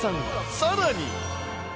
さらに。